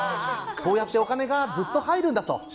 そうやってお金がずっと入るんだと。